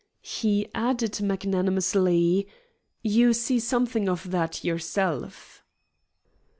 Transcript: He added magnanimously, "You see something of that yourself."